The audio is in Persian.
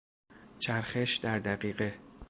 چرخش در دقیقه